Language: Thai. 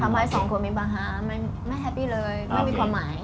ให้สองคนมีปัญหาไม่แฮปปี้เลยไม่มีความหมาย